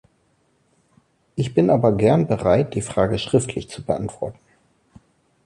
Ich bin aber gern bereit, die Frage schriftlich zu beantworten.